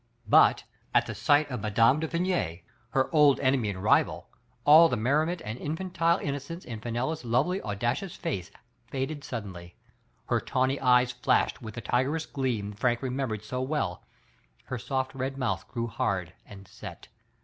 But, at the sight of Mme. de Vigny, her old enemy and rival, all the merriment and infantile innocence in Fenella's lovely audacious face faded suddenly ; her tawny eyes flashed with the tigerish gleam Frank remembered so well, her soft red mouth grew hard and set.